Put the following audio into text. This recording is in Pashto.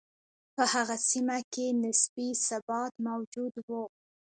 په هغه سیمه کې نسبي ثبات موجود و.